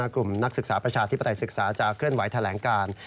กลุ่มนักศึกษาประชาธิปไตยศึกษาจะเคลื่อนไหวแถลงการ